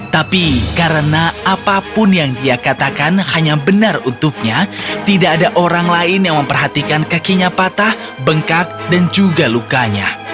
tapi karena apapun yang dia katakan hanya benar untuknya tidak ada orang lain yang memperhatikan kakinya patah bengkak dan juga lukanya